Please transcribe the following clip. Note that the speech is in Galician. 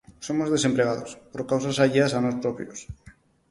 Somos desempregados, por causas alleas a nós propios.